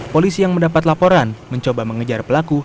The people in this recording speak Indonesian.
polisi yang mendapat laporan mencoba mengejar pelaku